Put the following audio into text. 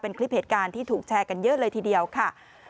เป็นคลิปเหตุการณ์ที่ถูกแชร์กันเยอะเลยทีเดียวค่ะ